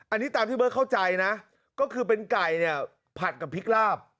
อันนี้ตามที่เบิร์ตเข้าใจนะก็คือเป็นไก่เนี่ยผัดกับพริกลาบ